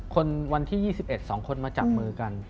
วันที่๒๑๒คนมาจับมือกัน